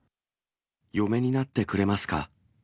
嫁になってくれますか？